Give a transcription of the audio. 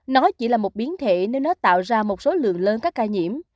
nó chỉ là một biến thể nếu nó tạo ra một số lượng lớn các ca nhiễm